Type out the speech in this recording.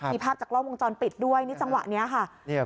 มีภาพจากรอบวงจรปิดด้วยนิดสังวัตินี้ค่ะ